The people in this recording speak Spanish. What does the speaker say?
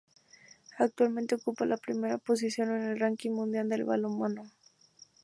Actualmente ocupa la primera posición en el ranking mundial de balonmano.